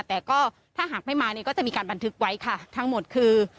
แต่ก็ถ้าหากไม่มาเนี่ยก็จะมีการบันทึกไว้ค่ะทั้งหมดคือ